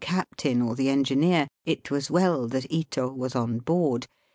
captain or the engineer it was well that Ito was on board.